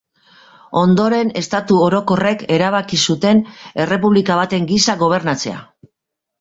Ondoren, Estatu Orokorrek erabaki zuten errepublika baten gisa gobernatzea.